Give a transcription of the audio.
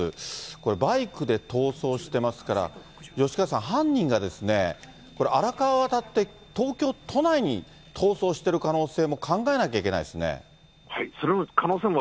これ、バイクで逃走してますから、吉川さん、犯人がですね、荒川を渡って東京都内に逃走している可能性も考えなきゃいけないそれも、可能性も。